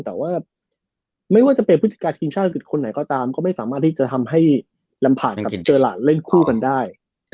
แต่ว่าไม่ว่าจะเป็นผู้จัดการทีมชาติอังกฤษคนไหนก็ตามก็ไม่สามารถที่จะทำให้ลำบากกับเจอหลานเล่นคู่กันได้